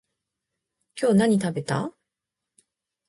今日何食べた？